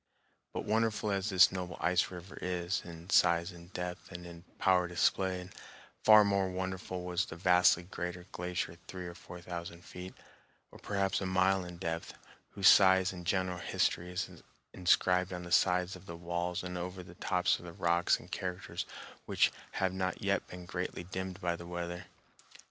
But wonderful as this noble ice river is in size and depth and in power displayed, far more wonderful was the vastly greater glacier three or four thousand feet, or perhaps a mile, in depth, whose size and general history is inscribed on the sides of the walls and over the tops of the rocks in characters which have not yet been greatly dimmed by the weather.